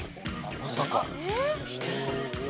まさか。